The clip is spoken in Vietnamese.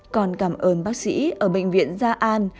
còn cảm ơn bác sĩ ở bệnh viện gia an